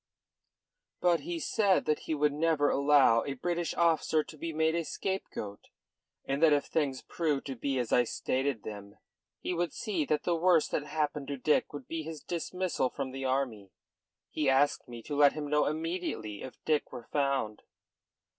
"But he said that he would never allow a British officer to be made a scapegoat, and that if things proved to be as I stated them he would see that the worst that happened to Dick would be his dismissal from the army. He asked me to let him know immediately if Dick were found."